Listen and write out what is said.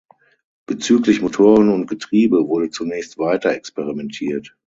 Bezüglich Motoren und Getriebe wurde zunächst weiter experimentiert.